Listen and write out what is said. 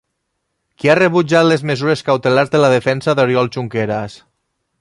Qui ha rebutjat les mesures cautelars de la defensa d'Oriol Junqueras?